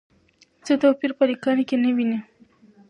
څه توپیر په لیکنه کې نه وینو؟